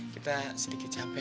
kita sedikit capek